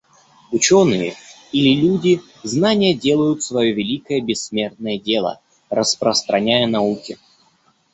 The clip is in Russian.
Ученые или люди знания делают свое великое бессмертное дело, распространяя науки.